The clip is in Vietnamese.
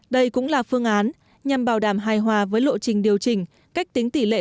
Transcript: đây cũng là phương án nhằm bảo đảm hài hòa với lộ trình điều chỉnh cách tính tỷ lệ